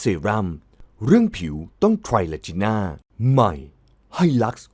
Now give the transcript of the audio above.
มีบริษัทที่กรุงเทพส่งเมลมาเสนองานที่ทำการตลาดนี้